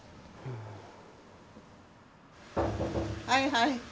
はいはい。